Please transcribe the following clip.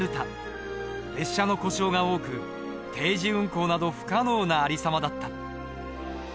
列車の故障が多く定時運行など不可能なありさまだった。